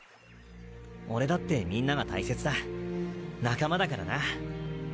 俺だってみんなが大切だ仲間だからな。